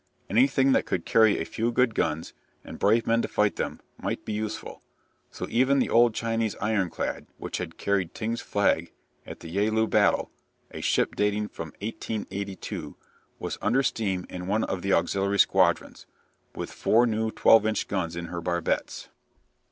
Anything that could carry a few good guns, and brave men to fight them, might be useful, so even the old Chinese ironclad which had carried Ting's flag at the Yalu battle, a ship dating from 1882, was under steam in one of the auxiliary squadrons, with four new 12 inch guns in her barbettes.